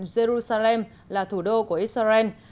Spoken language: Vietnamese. jerusalem là thủ đô của israel